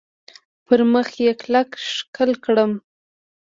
پر مخ یې کلک ښکل کړم .